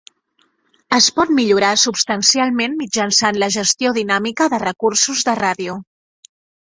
Es pot millorar substancialment mitjançant la gestió dinàmica de recursos de ràdio.